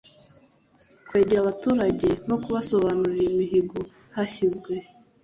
Kwegera abaturage no kubasobanurira imihigo yahizwe